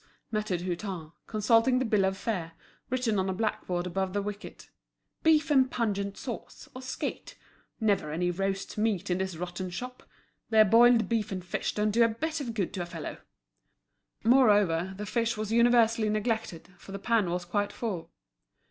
muttered Hutin, consulting the bill of fare, written on a black board above the wicket. "Beef and pungent sauce, or skate. Never any roast meat in this rotten shop! Their boiled beef and fish don't do a bit of good to a fellow!" Moreover, the fish was universally neglected, for the pan was quite full.